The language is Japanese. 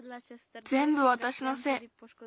ぜんぶわたしのせい。